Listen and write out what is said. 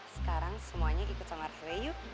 sekarang semuanya ikut sama rere yuk